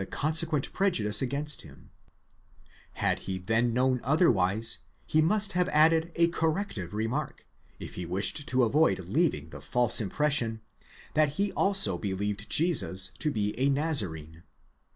consequent prejudice against him; had he then known otherwise, he must have added a corrective remark, if he wished to avoid leaving the false im pression, that he also believed Jesus to be a Nazarene.